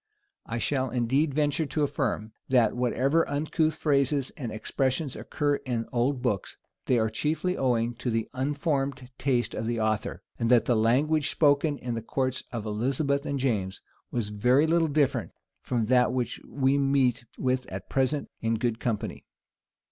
I shall indeed venture to affirm, that, whatever uncouth phrases and expressions occur in old books, they were chiefly owing to the unformed taste of the author; and that the language spoken in the courts of Elizabeth and James, was very little different from that which we meet with at present in good company.